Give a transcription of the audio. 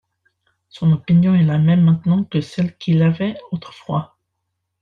Son opinion est la même maintenant que celle qu’il avait autrefois.